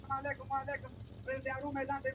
بوټونه د دفتر د نظم برخه ده.